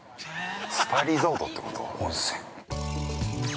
◆スパリゾートってこと？